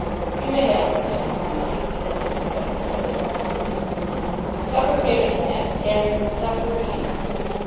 "You may have this one, if you like," said Mrs. Gunton Cresswell simply. Supper came at last, and, with supper, Eva.